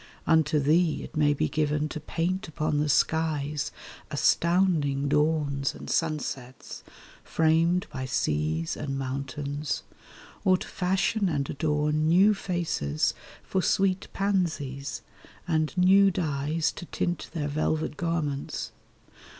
Unto thee It may be given to paint upon the skies Astounding dawns and sunsets, framed by seas And mountains; or to fashion and adorn New faces for sweet pansies and new dyes To tint their velvet garments.